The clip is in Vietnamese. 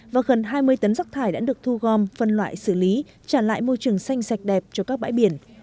và gần hai mươi tấn rác thải đã được thu gom phân loại xử lý trả lại môi trường xanh sạch đẹp cho các bãi biển